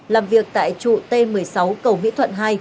làm việc tại trụ t một mươi sáu cầu mỹ thuận hai